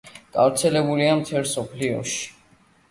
გავრცელებულია მთელ მსოფლიოში.